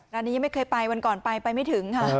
ร้านนี้ยังไม่เคยไปวันก่อนไปไปไม่ถึงค่ะ